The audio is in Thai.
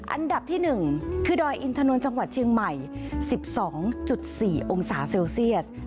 อันดับที่๑คือดอยอินทนนท์จังหวัดเชียงใหม่๑๒๔องศาเซลเซียส